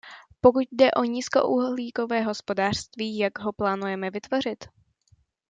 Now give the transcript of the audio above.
Pokud jde o nízkouhlíkové hospodářství, jak ho plánujeme vytvořit?